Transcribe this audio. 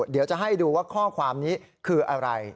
เดี๋ยวจะให้ดูว่าข้อความนี้คืออะไร